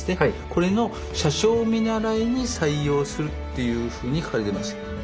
これの車掌見習いに採用するっていうふうに書かれてます。